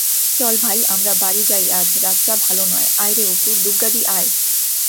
চল ভাই আমরা বাড়ি যাইআজ রাতটা ভালো নয়-আয়রে অপু, দুগগাদি আয়।